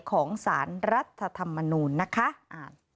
ของสารรัฐธรรมนูลนะคะ